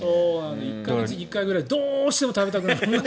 １か月に１回くらいどうしても食べたくなる。